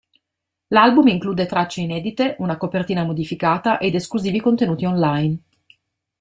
L'album include tracce inedite, una copertina modificata ed esclusivi contenuti online.